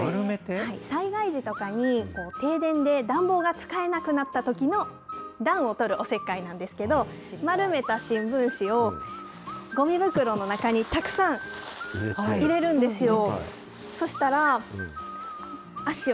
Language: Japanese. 災害時とかに、停電で暖房が使えなくなったときの暖をとるお節介なんですけど、丸めた新聞紙を、ごみ袋の中にたくさん入れるんですよ。